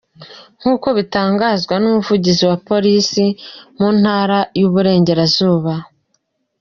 Nk’uko bitangazwa n’Umuvugizi wa Polisi mu Ntara y’Iburengerazuba, Supt.